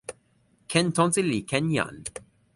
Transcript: ken tonsi li ken jan!